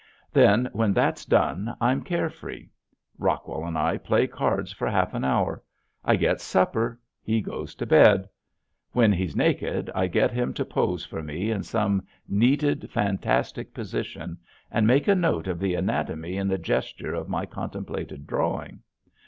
Then when that's done I'm care free. Rockwell and I play cards for half an hour, I get supper, he goes to bed. When he's naked I get him to pose for me in some needed fantastic position, and make a note of the anatomy in the gesture of my contemplated drawing.